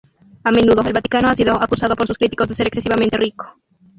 A menudo, el Vaticano ha sido acusado por sus críticos de ser excesivamente rico.